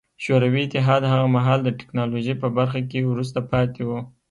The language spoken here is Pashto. شوروي اتحاد هغه مهال د ټکنالوژۍ په برخه کې وروسته پاتې و